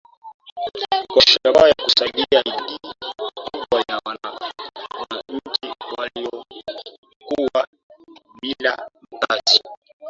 kwa shabaha ya kusaidia idadi kubwa ya wananchi waliokuwa bila kazi